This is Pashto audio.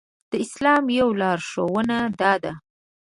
د اسلام يوه لارښوونه دا ده.